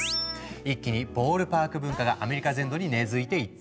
一気にボールパーク文化がアメリカ全土に根づいていった。